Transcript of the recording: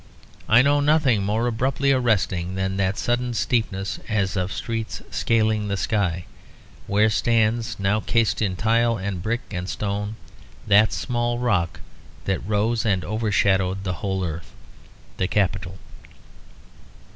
I know nothing more abruptly arresting than that sudden steepness, as of streets scaling the sky, where stands, now cased in tile and brick and stone, that small rock that rose and overshadowed the whole earth; the Capitol.